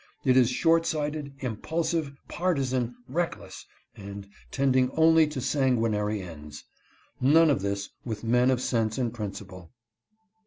It is short sighted, impulsive, partisan, reckless, and tending only to sanguinary ends. None of this with men of sense and principle.